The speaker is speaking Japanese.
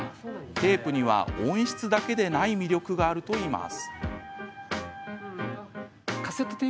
テープには音質だけではない魅力があるといいます。